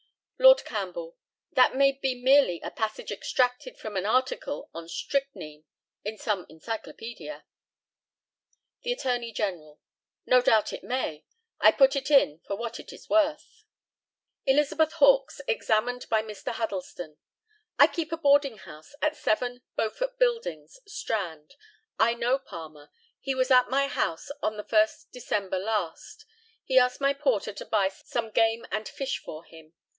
Lord CAMPBELL: That may be merely a passage extracted from an article on "Strychnine" in some encyclopædia. The ATTORNEY GENERAL: No doubt it may. I put it in for what it is worth. ELIZABETH HAWKES, examined by Mr. HUDDLESTON: I keep a boarding house at 7, Beaufort buildings, Strand. I know Palmer. He was at my house on the 1st December last. He asked my porter to buy some game and fish for him.